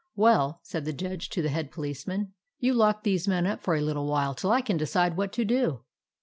" Well," said the Judge, to the Head Police man. " You lock these men up for a little while, till I can decide what to do."